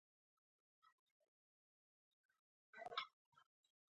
ماشوم د مور غېږ ته لاړ.